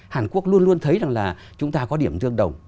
hàn quốc luôn luôn thấy rằng là chúng ta có điểm tương đồng